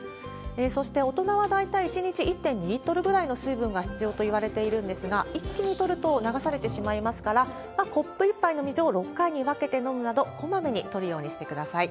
そして、大人は大体１日１．２リットルくらいの水分が必要といわれているんですが、一気にとると流されてしまいますから、コップ１杯の水を６回に分けて飲むなど、こまめにとるようにしてください。